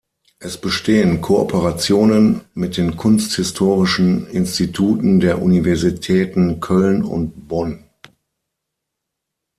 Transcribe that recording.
Es bestehen Kooperationen mit den kunsthistorischen Instituten der Universitäten Köln und Bonn.